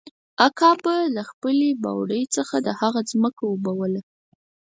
اکا به له خپلې بوړۍ د هغه ځمکه اوبوله.